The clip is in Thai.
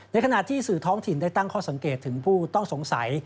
ขณะที่สื่อท้องถิ่นได้ตั้งข้อสังเกตถึงผู้ต้องสงสัย